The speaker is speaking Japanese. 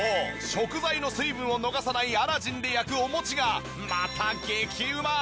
食材の水分を逃さないアラジンで焼くお餅がまた激うま！